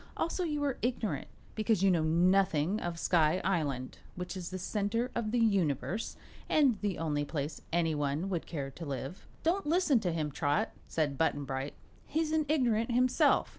Also, you are ignorant, because you know nothing of Sky Island, which is the Center of the Universe and the only place anyone would care to live." "Don't listen to him, Trot," said Button Bright; "he's an ignorant himself."